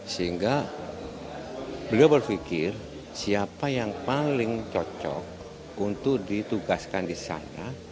sehingga beliau berpikir siapa yang paling cocok untuk ditugaskan di sana